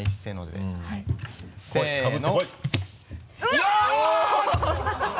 よし！